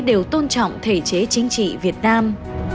đều tôn trọng thể chế chính trị việt nam